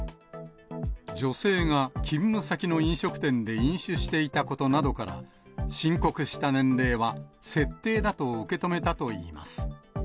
女性が勤務先の飲食店で飲酒していたことなどから、申告した年齢は設定だと受け止めたといいます。